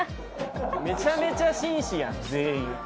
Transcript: めちゃめちゃ紳士やん全員。